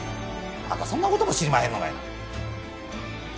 あんたそんな事も知りまへんのかいな？